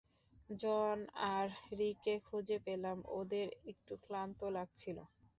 জন আর রিককে খুঁজে পেলাম, ওদের একটু ক্লান্ত লাগছিলো।